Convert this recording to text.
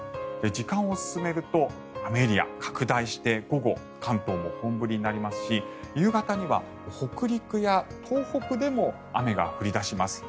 時間を進めると雨エリア、拡大して午後、関東も本降りになりますし夕方には北陸や東北でも雨が降り出します。